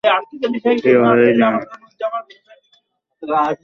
তুমি তো ভালোই জানো।